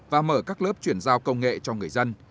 và mở các lớp chuyển giao công nghệ cho người dân